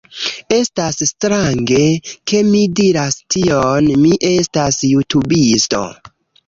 Estas strange, ke mi diras tion, mi estas jutubisto